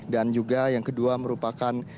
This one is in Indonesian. dan juga yang kedua merupakan